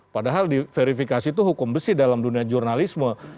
padahal di verifikasi itu hukum besi dalam dunia jurnalisme